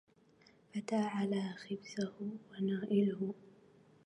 فتى على خبزه ونائله